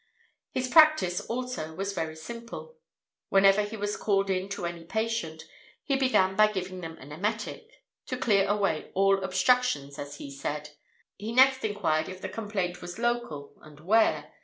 "His practice also was very simple. Whenever he was called in to any patient, he began by giving them an emetic, to clear away all obstructions, as he said. He next inquired if the complaint was local, and where?